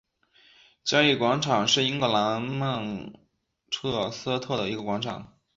交易广场是英格兰曼彻斯特的一个广场。